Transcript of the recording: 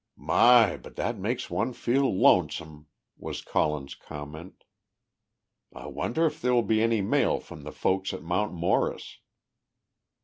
"_ "My! but that makes one feel lonesome," was Colin's comment. "I wonder if there will be any mail from the folk at Mount Morris."